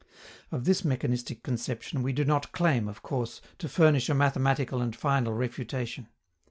Of this mechanistic conception we do not claim, of course, to furnish a mathematical and final refutation.